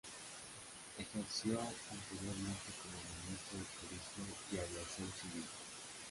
Ejerció anteriormente como Ministro de Turismo y Aviación Civil.